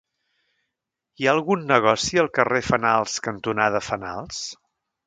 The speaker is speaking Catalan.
Hi ha algun negoci al carrer Fenals cantonada Fenals?